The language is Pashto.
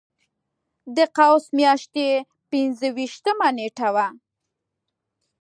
د قوس میاشتې پنځه ویشتمه نېټه وه.